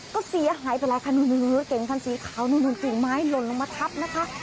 ก็เสียหายไปหลายคันเก่งคันสีขาวนู่นกิ่งไม้หล่นลงมาทับนะคะ